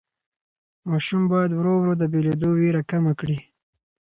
ماشوم باید ورو ورو د بېلېدو وېره کمه کړي.